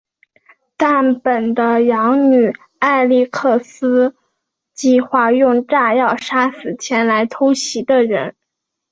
但本的养女艾莉克斯计划用炸药杀死前来偷袭的人。